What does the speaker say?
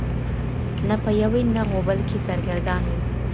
نه په یوې نه غوبل کي سرګردان وو